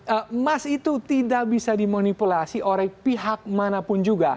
emas itu tidak bisa dimonipulasi oleh pihak manapun juga